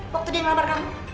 waktu dia ngelamar kamu